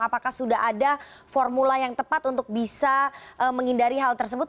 apakah sudah ada formula yang tepat untuk bisa menghindari hal tersebut